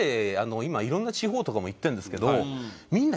今いろんな地方とかも行ってるんですけど。